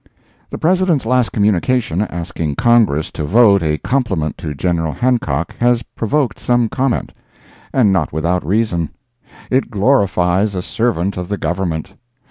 The President's last communication, asking Congress to vote a compliment to Gen. Hancock, has provoked some comment. And not without reason. It glorifies a servant of the Government!